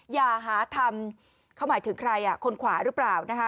อย่าหาทำเขาหมายถึงใครคนขวาหรือเปล่านะคะ